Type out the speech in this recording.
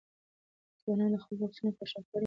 ځوانانو خپل بکسونه پر شا کړي وو او روان وو.